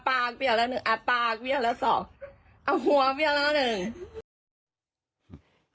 อ่ะปากเปรี้ยวแล้วหนึ่งอ่ะปากเปรี้ยวแล้วสองอ่ะหัวเปรี้ยวแล้วหนึ่ง